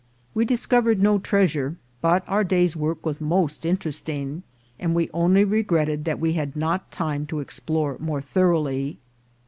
We discovered no treasure, but our day's work was most interesting, and we only regret ted that we had not time to explore more thoroughly.